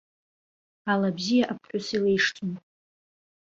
Ала бзиа аԥҳәыс илеишӡом.